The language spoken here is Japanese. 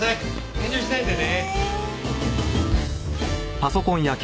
遠慮しないでね。